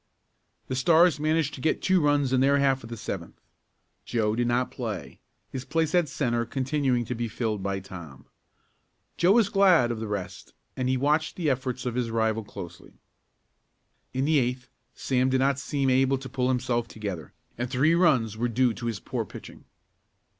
The Stars managed to get two runs in their half of the seventh. Joe did not play, his place at centre field continuing to be filled by Tom. Joe was glad of the rest and he watched the efforts of his rival closely. In the eighth Sam did not seem able to pull himself together and three runs were due to his poor pitching.